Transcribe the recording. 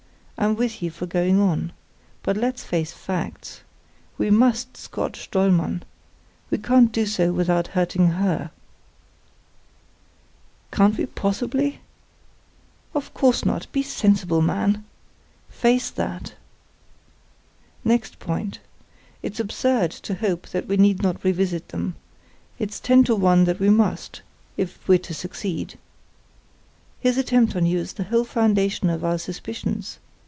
"I'm with you for going on. But let's face facts. We must scotch Dollmann. We can't do so without hurting her." "Can't we possibly?" "Of course not; be sensible, man. Face that. Next point; it's absurd to hope that we need not revisit them—it's ten to one that we must, if we're to succeed. His attempt on you is the whole foundation of our suspicions.